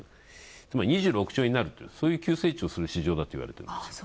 つまり２６兆円になると、そういう急成長をする市場だといわれています。